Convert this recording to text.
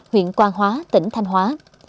huyện quan hóa tỉnh thanh hóa